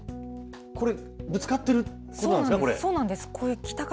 これ、ぶつかってるということなんですか？